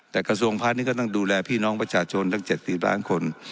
แต่กระทรวงพาณิชย์ก็ต้องดูแลพี่น้องประชาชนตั้ง๗๐ล้านคน